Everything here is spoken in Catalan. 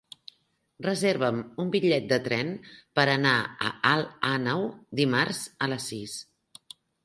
Reserva'm un bitllet de tren per anar a Alt Àneu dimarts a les sis.